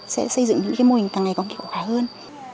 sẽ xây dựng những cái mô hình càng ngày còn hiệu quả hơn